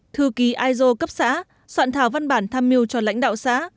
thư ký iso cấp xã soạn thảo văn bản tham mưu cho lãnh đạo xã